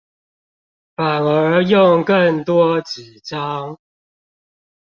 反而用更多紙張